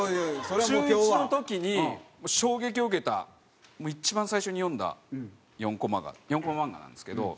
中１の時に衝撃を受けた一番最初に読んだ４コマが４コマ漫画なんですけど。